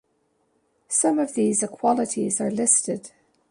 Some of these equalities are listed.